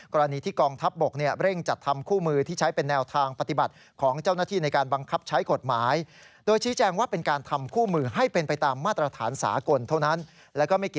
กรณีที่กองทัพบกเร่งจัดทำคู่มือ